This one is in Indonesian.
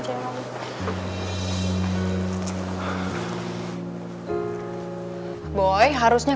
kalau efek pem fazeran ya